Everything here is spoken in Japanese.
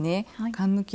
かんぬき